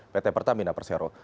pt pertamina persero